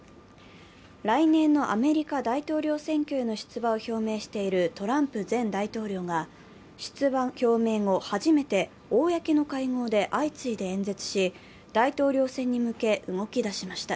来年のアメリカ大統領選挙への出馬を表明しているトランプ前大統領が出馬表明後、初めて公の会合で相次いで演説し、大統領選に向け、動き出しました。